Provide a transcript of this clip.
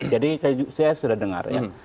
jadi saya sudah dengar ya